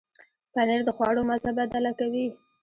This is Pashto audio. پنېر د خواړو مزه بدله کوي.